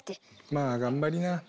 まあ頑張りな。